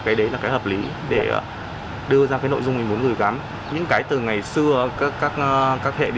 cái đấy là cái hợp lý để đưa ra cái nội dung mình muốn gửi gắm những cái từ ngày xưa các hệ l